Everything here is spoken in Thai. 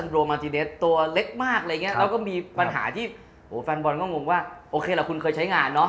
แล้วก็มีปัญหาที่แฟนบอลหงวงว่าโอเคละคุณเคยใช้งานเนอะ